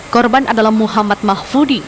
korban adalah muhammad mahfudi